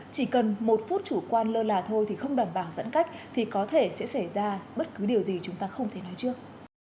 chỉ cần một phút chủ quan lơ là thôi thì không đảm bảo giãn cách thì có thể sẽ xảy ra bất cứ điều gì chúng ta không thể nói trước